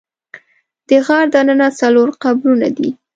د غار دننه څلور قبرونه دي.